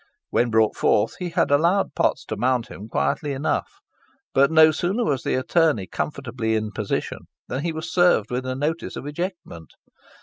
When brought forth he had allowed Potts to mount him quietly enough; but no sooner was the attorney comfortably in possession, than he was served with a notice of ejectment.